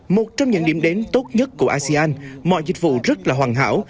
một trong những điểm đến tốt nhất của asean mọi dịch vụ rất là hoàn hảo